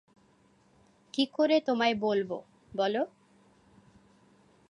কী করে তোমার বলবো, বলো?